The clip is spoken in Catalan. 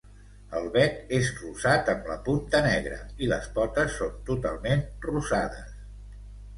El bec és rosat amb la punta negra, i les potes són totalment rosades.